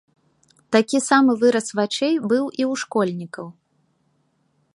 Такі самы выраз вачэй быў і ў школьнікаў.